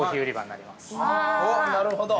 ◆なるほど。